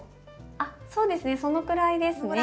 あっそうですねそのぐらいですね。